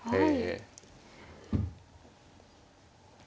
ええ。